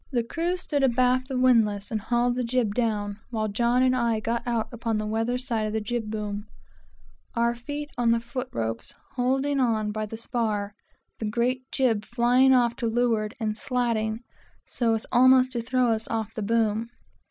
The crew stood abaft the windlass and hauled the jib down, while we got out upon the weather side of the jib boom, our feet on the foot ropes, holding on by the spar, the great jib flying off to leeward and slatting so as almost to throw us off of the boom.